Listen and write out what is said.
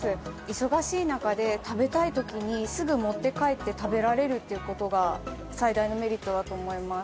忙しい中で、食べたいときにすぐ持って帰って食べられるっていうことが、最大のメリットだと思います。